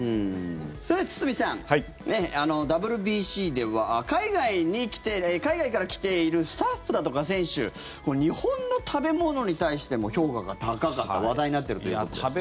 それでは堤さんＷＢＣでは、海外から来ているスタッフだとか選手日本の食べ物に対しても評価が高かった話題になっているということですが。